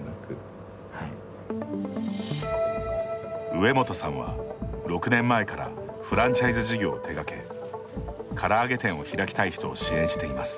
植元さんは６年前からフランチャイズ事業を手がけから揚げ店を開きたい人を支援しています。